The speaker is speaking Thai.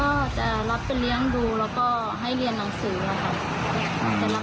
ก็จะรับไปเลี้ยงดูแล้วก็ให้เรียนหนังสือค่ะ